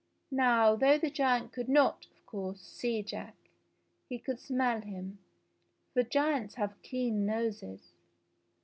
Now though the giant could not, of course, see Jack, he could smell him, for giants have keen noses.